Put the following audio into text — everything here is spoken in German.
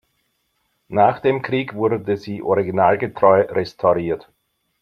Nach dem Krieg wurde sie originalgetreu restauriert.